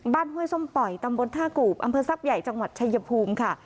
ห้วยส้มป่อยตำบลท่ากูบอำเภอทรัพย์ใหญ่จังหวัดชายภูมิค่ะ